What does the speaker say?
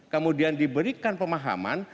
kemudian diberikan pemahaman